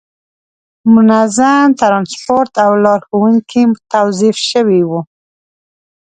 منظم ترانسپورت او لارښوونکي توظیف شوي وو.